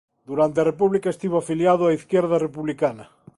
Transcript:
Durante a República estivo afiliado a Izquierda Republicana.